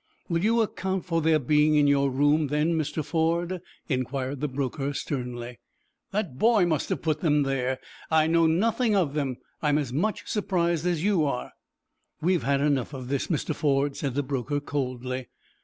"Will you account for their being in your room, then, Mr. Ford?" inquired the broker, sternly. "That boy must have put them there. I know nothing of them. I am as much surprised as you are." "We have had enough of this, Mr. Ford," said the broker, coldly.